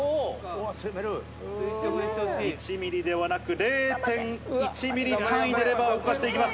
１ミリではなく、０．１ミリ単位でレバーを動かしていきます。